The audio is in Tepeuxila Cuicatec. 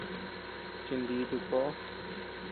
Chinditu koʼo.